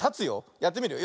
やってみるよ。